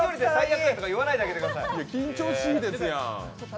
緊張しぃですやん。